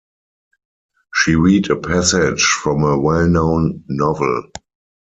She read a passage from a well-known novel.